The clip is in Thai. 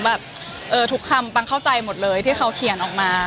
แบบทุกคำปังเข้าใจหมดเลยที่เขาเขียนออกมา